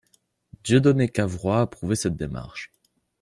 Dieudonné Cavrois approuvait cette démarche.